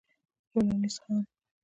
ټولنیز ځان